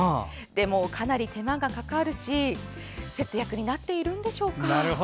でも、かなり手間がかかるし節約になっているのでしょうか？